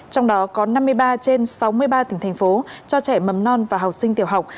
trong đó có năm mươi ba trên sáu mươi ba tỉnh thành phố cho trẻ mầm non và học sinh tiểu học